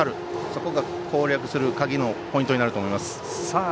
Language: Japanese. それが攻略する鍵のポイントになると思います。